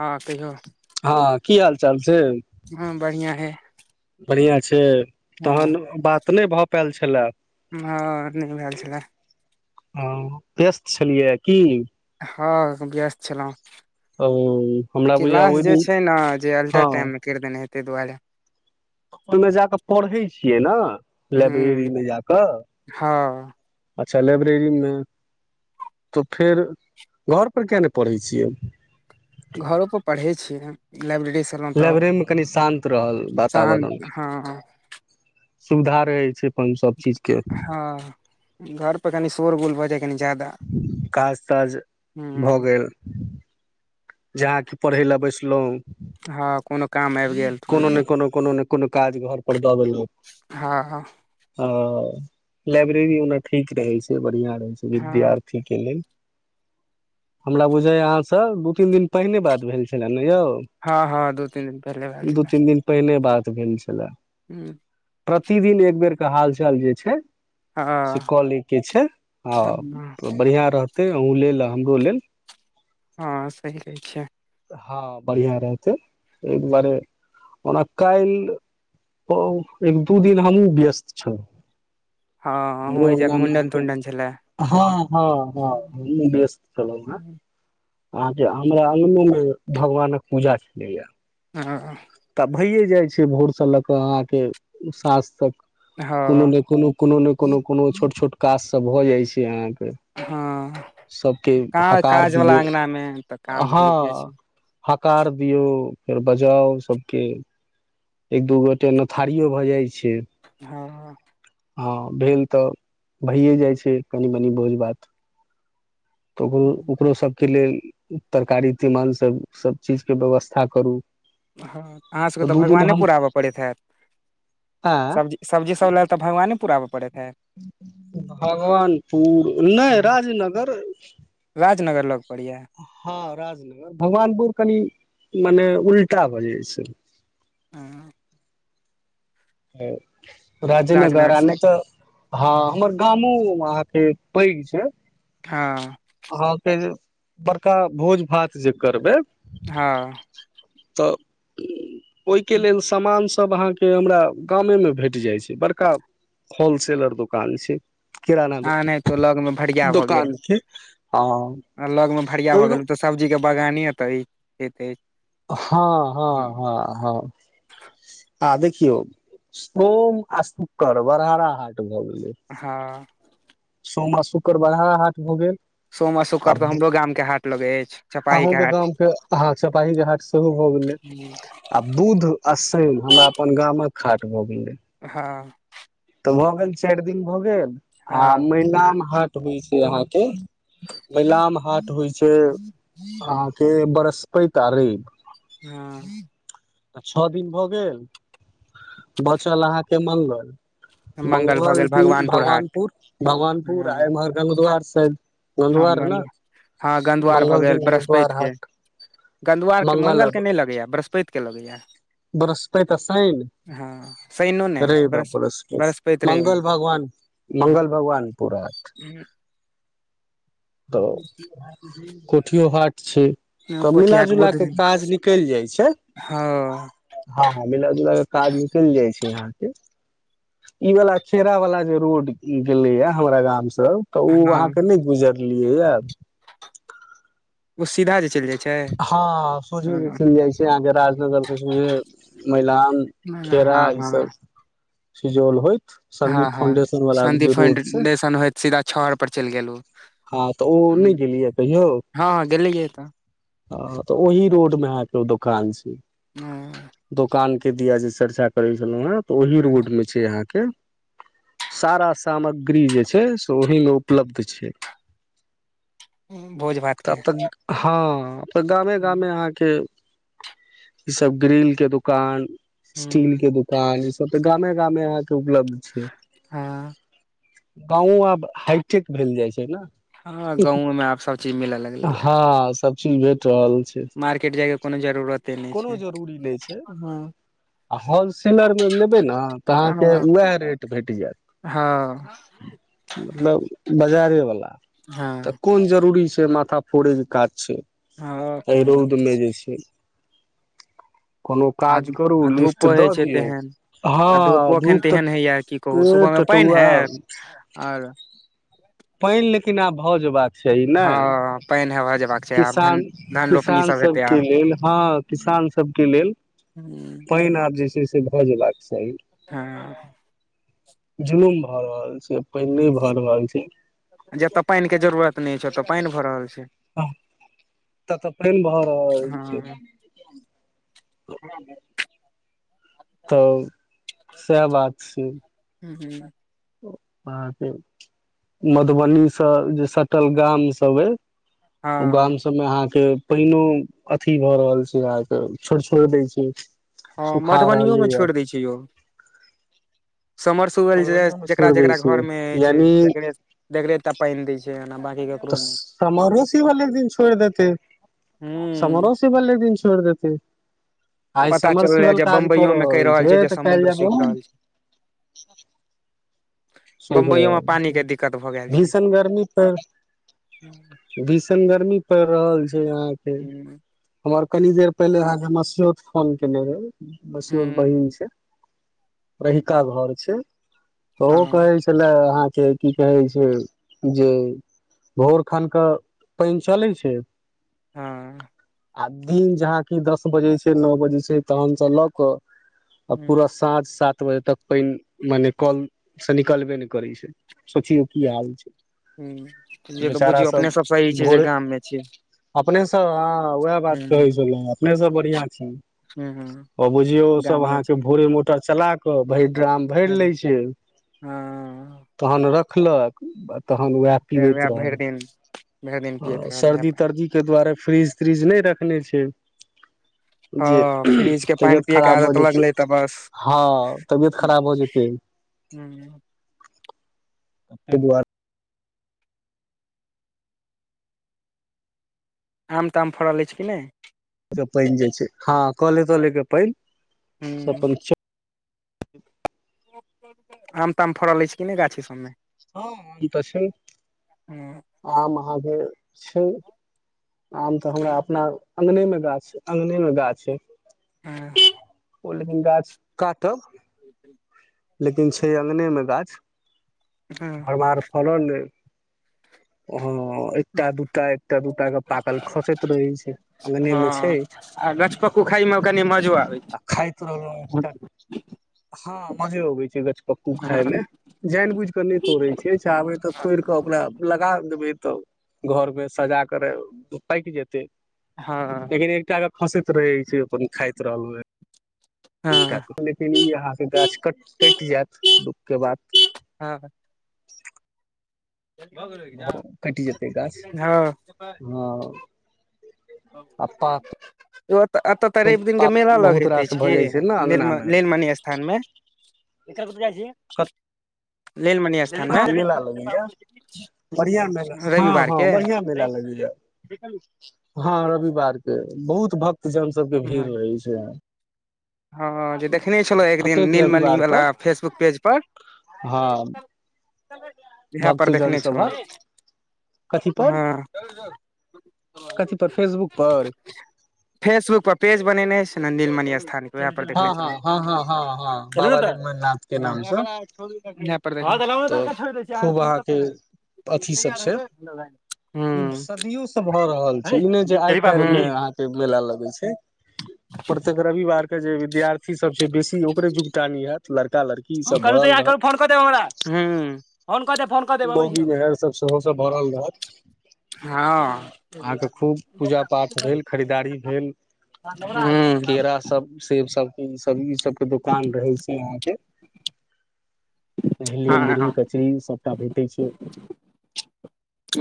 हँ कहियौ हां की हाल चाल छै हँ बढ़ियां ऐ से तहन बात नहि भऽ पाएल छलै हँ नहि भेल छले हं व्यस्त छलियै की हँ व्यस्त छलौ ओ हमरा बुझाय क्लास ओहि जे दिन छै न जे हँ अलटर टाइममे करि देने ताहि दुआरे ओहिमे जा कऽ पढ़ै छियै न ह लाइब्रेरीमे जा कऽ हँ अच्छा लाइब्रेरीमे तऽ फेर घरपर किया नहि पढ़य छियै घरो पर पढ़ै छियै लाइब्रेरी लाइब्रेरीमे कनि शान्त रहल शान्त वातावरण हँ सुविधा रहै छै अपन सब चीज के हँ घर पे कनि शोर गुल भ जाय कनी ज्यादा काज ताज ह भऽ गेल जहाँ कि पढ़य लए बैसलौ हँ कोनो काम आबि गेल ने कोनो कोनो ने कोनो काज घर पर दऽ लेलौ हँ हँ हाँ लाइब्रेरी ओना ठीक रहय छै बढ़िया रहय छै हँ विद्यार्थी के लेल हमरा बुझायां अहाँसँ दू तीन दिन पहिने बात भेल छलय नए हँ हँ दू तीन दिन पहिले भेल दू तीन दिन पहिले बात भेल छले हूं प्रतिदिन एक बेर के हाल चाल जे छै से कऽ लए के छै आ हँ बढ़िआ रहत ये आहु लेल आ हमरो लेल हँ सही कहय छियै हँ बढ़िआँ रहतै एक बार ओना काइल ओ एक दू दिन हमहु व्यस्त छौ हँ कहुं औजाक मुंडन तुंडन छलै हँ हँ हँ हमहुं व्यस्त छलौ हैं [inaudible] अहा के जे भगवानक पूजा छलैय हां भैेये जाइ छै भोर से लऽ क अहाँके सांझ तक कोनो ने कोनो कोनो ने कोनो कोनो छोट छोट काज सब भऽ जाइ छै अहाँके हँ सबके कहाँ हकार काज वाला दियौ अंगना मे तऽ काम भैये जाइ हँ छै हकार दियौ फेर बजाउ सबके एक दू गोटे नथारियो भऽ जाइ छै हँ हँ भेल तऽ भइए जाइ छै कनि मनी भोज भात तऽ ओ ओकरो सभके लेल तरकारी तीमन सभ सभ चीजके व्यवस्था करू हँ अहाँ सभके तऽ दू दिन हम भगवानेपुर आब पड़ैत हैत आँय सबजी सब्जी सब लए तऽ भगवानेपूर अब भगवानपुर नहि राजनगर नगर लग पड़ैया हँ राजनगर भगवानपुर कनि मने उल्टा भऽ जाइ छै हँ राजेनगर राजनगर आ नहि तऽ हँ हमर गामो के पैघ छै हँ हँ के बड़का भोज भात जे करबय हँ ओहि के लेल सामान सभ अहाँ के हमरा गामे मे भेट जाइ छै बड़का होलसेलर दुकान छै किराना आ नहि तो लग मे भरिया भऽ गेल दुकान छै हँ आ लग मे भढ़िया हँ भऽ गेल तऽ सब्जी के बगाने एत होेत अछि हँ हँ हँ हँ आ सोम आ शुकर बरहरा हँ सोम आ शुक्र बारहा हाट भऽ गेल सोम आ शुक्र तो हमरो गाम के हाट लगय अछि चपाही अहूँ के हाट गामके हँ सपाही जे हाट सेहो भऽ गेलै आ बुध आ शनि हमरा अपन गाम मे हाट भऽ गेले हँ भऽ गेल चारि दिन भऽ गेल आ हँ मैनान हाट होइ छै अहाँ के बैलाम हाट होइ छै अहाँके बरस्पति आ रैव हँ आ छ दिन भऽ गेल बचल अहाँके मंगल भऽ मंगल गेल द हाट भगवानपुर भगवानपुर हँ आयमहर गंगद्वार साइड हँ गंगद्वार ने गंद हँ गन्धआर भऽ मंगल दिन गेल द्वार बृहस्पति के हाट गधवारके मंगल के नहि लगैए बृहस्पति के लगैए बृहस्पति और शनि शैनो ने रे बृहस् बापस बृहस्पति रवि मंगल भगवान मंगल भगवान पूरा हँ तऽ कोठियो हाट छै हँ तऽ कोठियाहाट मिलाजुला बुध के दिन काज निकलि जाइ छै हँ हँ मिला जुला काज निकलि जाइ छै यहाँ प ई वाला खेरा वाला जे रोड गेले य हमरा गाम से सब तऽ ओ हँ अहाँके नहि गुजरलियै या ओ सीधा जे चलि जाइ छै हँ सोझे जे हँ चल जाय छै यहाँ के राजनगर से सोझे मैलान खेरा त हँ सुजौल होयत हँ हँ शानदि छै फाइंटेशन होयत सीधा छहर पर चलि गेलहुँ हँ तऽ ओ नहि गेलियै कहियौ हँ गेलैयै तऽ आ तऽ ओहि रोड मे दोकान छी दोकान के दिया जे चर्चा करय छलहु हे ओहि रोड में छै यहाँ के सारा सामग्री जे छै से ओहि मे उपलब्ध छै भोज भात के तब तऽ हँ गामे हूँ गामे अहाँ के ई सब ग्रील के दुकान स्टील के दुकान ई सब तऽ गामे गामे आहा के उपलब्ध छै हँ गाँव आब हाइटेक भेल जाइ छै ने हँ गाँव मे आब सभचीज मिलय लगलैए टल छै कोनो जरूरते नहि कोनो छै जरूरी नहि छै हँ आ होलसेलरमे लेबै ने तऽ अहाँके हँ उएह रेट भेट जायत हँ मतलब बाजारे वला तऽ हँ कोन जरूरी छै माथा फोड़े के काज छै हँ एहि कोन जा रौद मे जे छै कोनो आ काज करू आ लिस्ट धूपो होइ दऽ छै दियौ तेहन आ हँ धूपो एखन धूप तेहन तऽ हैया की कहू सुबह पेट मे त पानि टोवा हैत आओर पानि लेकिन आब भऽ जेबा छै हँ नेय पानि हेबा जेबाक छै आब धन किसान धान रोपनी किसान सब हेतै सबके आब लेल हँ किसान ान सब के लेल हूं पैन आब जे छै से भए जेबाक चाही हँ जुलुम भए रहल छै पानि ह नय भए रहल छै जतय पानिके जरूरत नहि छै ओतय पानि भऽ रहल छै तऽ तऽ फेन भऽ रहल छै हँ हँ ह तऽ सएह बात छै हूं हूं अहाँके मधुबनीसँ जे सटल गामसभ अइ ओ गाम हँ सबमे अहाँके पैनौ अथी भऽ रहल छै अहाँके छोड़ छोड़ दै छै हँ सुखा मधुबनिओमे रहलैए छोड़ दै छै यौ समर सुबल मधुबनियोमे जेकरा छोड़ि दै जेकरा छै घर में होय छै यानि जकरे जकरे पानि देय छैय ब तऽ समरोसीबल एक दिन छोड़ि देते हूँ समरोसीबल एक दिन छोड़ देतेैय आइ पता चलले समरसिवल जे काज कर बम्बइयो मे कहि रहल छै जे तऽ काइल समुद्र जाब सूखि ने रहल [inaudible] छै बम्बइयो मे पानी के दिक्कत भऽ गेल छै भीषण गर्मी पर हूँ भीषण गर्मी प रहल छै यहा के हूँ हमर कनी देर पहिले अहाँ के मौसियोत फोन केने रहे मसयौत बहिन छै रहिका घर छै त हँ कहइ छलए अहाँ के की कहै छै जे भोर खन क पानि चलय छै हँ आ दिन जहा की दस बजे छै नओ बजे छै तहन से लऽ क आ पूरा हूँ साँझ सात बजे तक पानि मने कल से निकलबे नहि करै छै सोचियौ की हाल छै ह्म जे तऽ बेचारा बुझियौ अपने सभ सही छै जे गाममे छियै अपनेसँ हँ उएह बात कहै छलहु अपनेसँ बढ़िआं छ हूँ हूँ आ बुझियौ सब गाम मे अहाँके छी भोरे मोटा चला के भैर ड्राम भरि ले छै हँ तहन रखलक आ तहन वएह फेर पीबैत रहल भरि दिन भरि दिन पियैत ह रहलै सर्दी पानि तर्दी के दुआरे फ्रीज त्रीज नहि रखने छै [inaudible] ह जे फ्रिज के पैन तबियत पियएके खराब भऽ आदत जेतै लगलै तऽ बस हँ तबियत खराब भऽ जेतै ह्म कपड़े दुआर आम ताम फड़ा लै छै कि नहि के पैन जे छै हँ कले तले के पैन ह अपन [inaudible] आम ताम फड़ल अछि छै कि नहि गाछी सबमे हँ त छै ने हँ आ महादेव छै आम तऽ हमरा अपना अङ्गनेमे गाछ अङ्गनेमे गाछ छै ी ओ लेकिन गाछ काटब लेकिन छै अङगने में गाछ भरमार फड़ल अहि [inaudible] एकटा दूटा एकटा दूटा के पाकल खसैत रहे छै अंगने में छै अइ में कनि मजु आ आ खायइतो हँ मजे अबे छै गछपक्कू खााय हँ में जानि बूइझ के नहि तोड़े छियै चाहबे त तो र कऽ ओकरा लगा देबै तऽ घर में सजा कर पाकि जेतै हँ लेकिन एकटा ग हँसैत रहै छै अपन खाइत रहल क हँ ठाक लेकिन ई अहाँ के गाछ कट कटि जायत दुःख के बाद हँ हँ कटि जेतै गाछ हँ हँ आ पात ओऽ एतऽ तऽ रवि दिन के मेला बहुत लगैत रास अछि की भऽ जाइ छै ने निलम अंगना मे नीलमणि स्थान में लीलमनी स्थान में बढ़ियां मेला हँ हँ के बढ़ियां मेला लगेया हँ रविवार के बहुत भक्तजन सब के भीड़ रहै छै हँ जे देखने छलहुँ एक दिन प्रत्येक नीलमणि रविवार के वला फेसबुक पेज पर हँ इएह पर भक्तजन देखने छलहुँ सबहक कथी पर हँ कथी पर फेसबुक पर फेसबुक पर पेज बनेनेहें छै ने नील मनि स्थान वे पर हँ देखने हँ छलौं हँ हँ हँ हँ कहलियो बाबा तऽ लिंगमनाथ के त नाम ल से द तऽ क छोरी दय छियै आर खूब अहाँके अथी सब तैयार छै हेबय ई सदियो से भऽ रहल छै ई नहि जे आइ काल्हिमे अहाँके मेला लगै छै प्रत्येक रविवार के जे विद्यार्थी सब छै बेसी ओकरे जुकटानी होत लड़का लड़की ई सब भरल रहत मोगी मेहर सब सेहो सब भरल रहत अहाँ के खूब पूजा पाठ भेल खरीदारी भेल हूँ केरा सब सेब सब के ई सब ई सब के दुकान रहे छै अहाँ के झिल्ली हँ हूँ मुूरही हँ कचरी सब छि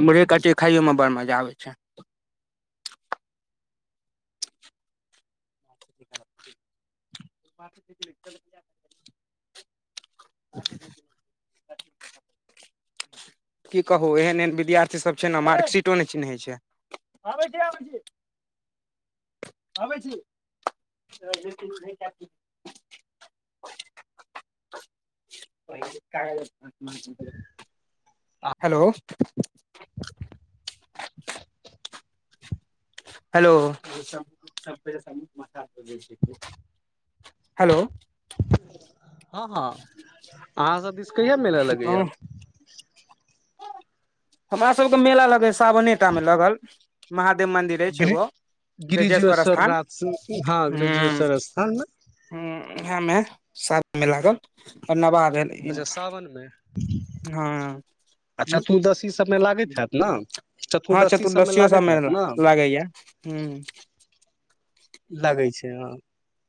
मुरही कचरी खाइयो में बड़ मजा आबै छै [unintelligible] [unintelligible] की कहू एहन एहन विद्यार्थी सभ छै ने मार्कशीटो नहि चिन्हैत छै आबै छी आबै छी आबै छी पहिल काज हेलो हेलो हेलो हँ हँ अहाँ सभ दिस कहिया मेला लगैए हमरा सब के मेला लगया सावने टा में लगल महा मन्दिरे छै गिरि एगो ब्रजेश्वर गिरिजेश्वर स्थान नाथ हँ हूं गिरिजेश्वर स्थान मे हूं ओहिमें साथ में लागल आ नबाह भेल अच्छा सावन मे हँ आ चतुर्दशी सभ में लागैत हयैत न हँ चतुर्दशीयो सब में लागैया हूं लगै छै हँ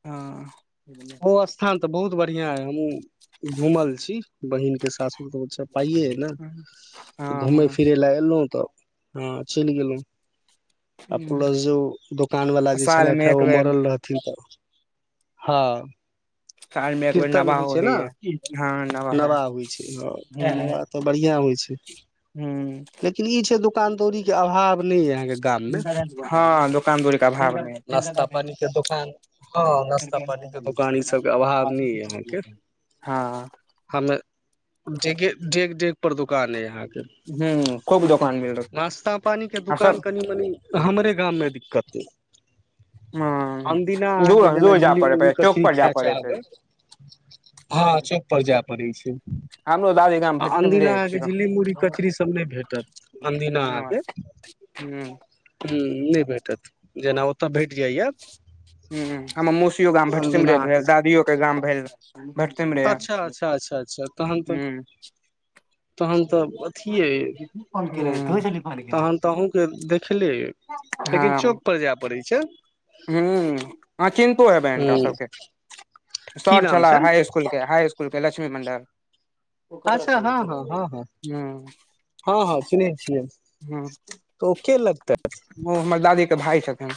हँ ओ स्थान त बहुत बढ़ियां अए हमहुँ घूमल छी बहिनके सासुर अच्छा पाइए अए न हँ हँ घूमैय-फिरैय लए एलहुँ त हँ चलि गेलहुँ। आ प्लस जे ओ दोकान बाला जे साल छलथि मे हे एक ओ बेर मरल रहथिन त हँ। साल मे एक बेर कीर्तन होइ नवाहो छैय न, होइया हँ नवाहो नवाह होइ छैय ह नवाह हूँ त बढ़िआं होइ छैय। हूँ। दोकान-दौरी के अभाव नै ये अहाँके गाम मे हँ दोकान-दौरीके अभाव नै नाश्ता पानी के दोकान हँ नाश्ता ये। पानी के दोकान ई सबके अभाव नहि य अहाँके [inaudible] हँ। डेेगे, डेग-डेग पर दुकान अए अहाँके हूँ, खूब दोकान मिल रहल नाश्ता-पानी के आ दुकान सब कनी-मनी हमरे गाममे दिक्कत अए। हँ अनदिना दूर अहाँके जेना दूर जाय झिल्ली, पड़े मुरही, पड़े चौक कचड़ी पर जाय खाय पड़े छै चाहबै हँ चौक पर जाय पड़ै छै। हमरो दादी गाम आ भटसिम अनदिना रहे अहाँके छियै झिल्ली, मुरही, कचरी सब नहि भेटत। अनदिना हँ अहाँके हूँ। ह्म नै भेटत, जेना ओतए भेट जाइए। हम् हमर मौसियो गाम भटसिमरे अहाँके भेल दादियोके गाम भेल भटसिमरे, अच्छा अच्छा अच्छा अच्छा तहन तऽ हम्। तहन तऽ अथिये अइ जीतु फोन कएने रहए तहन त अहूँके देखले अए लेकिन चौक पर जाय पड़ैय छैय। हम् अहाँ चिन्हतो हेबैन हिनका हूं सबके की सर नाम छलाह छनि हाइ इसकुलके-हाइ इसकुलके लक्ष्मी मंडल। ओ कतय अच्छा रखा गेलै, चल। हुँ। हँ-हँ चिन्हैत छियैय त ओ के लगतैथ? ओ हमर दादी भाय छथिन।